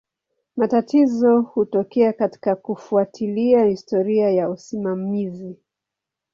Matatizo hutokea katika kufuatilia historia ya usimamizi.